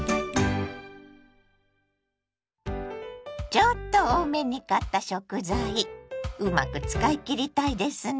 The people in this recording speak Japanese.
ちょっと多めに買った食材うまく使い切りたいですね。